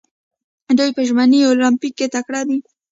دوی په ژمني المپیک کې تکړه دي.